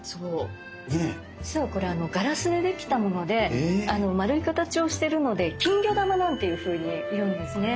実はこれガラスでできたもので丸い形をしてるので「金魚玉」なんていうふうに言うんですね。